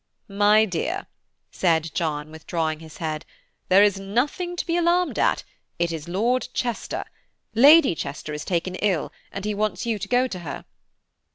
"My dear," said John, withdrawing his head, "there is nothing to be alarmed at, it is Lord Chester; Lady Chester is taken ill, and he wants you to go to her."